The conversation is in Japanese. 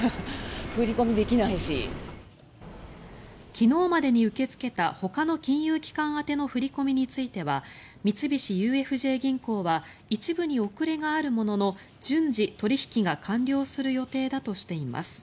昨日までに受け付けたほかの金融機関宛ての振り込みについては三菱ＵＦＪ銀行は一部に遅れがあるものの順次、取引が完了する予定だとしています。